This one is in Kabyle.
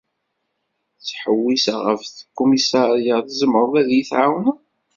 Ttḥewwiseɣ ɣef tkumisarya, tzemreḍ ad yi-tεawneḍ?